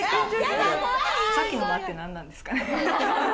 さっきの間って何なんですかね？